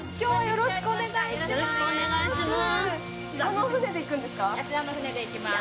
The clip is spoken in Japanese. よろしくお願いします